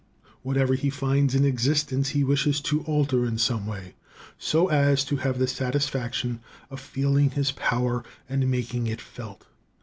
Whatever he finds in existence he wishes to alter in some way, so as to have the satisfaction of feeling his power and making it felt.